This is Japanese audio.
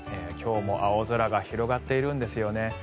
今日も青空が広がっているんですよね。